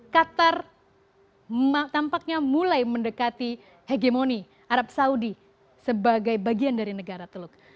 qatar tampaknya mulai mendekati hegemoni arab saudi sebagai bagian dari negara teluk